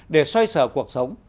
để xoay xở cuộc sống